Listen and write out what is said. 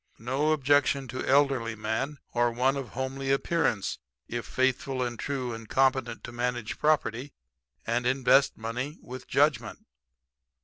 No objection to elderly man or one of homely appearance if faithful and true and competent to manage property and invest money with judgment.